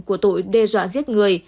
của tội đe dọa giết người